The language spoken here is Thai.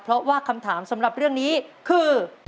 เพราะว่าคำถามสำหรับเรื่องนี้คือ